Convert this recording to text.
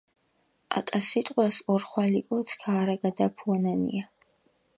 აკა სიტყვას ორხვალი კოც ქაარაგადაფუანანია.